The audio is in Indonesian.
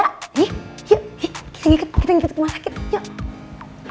yuk yuk yuk kita ngikut kita ngikut ke rumah sakit yuk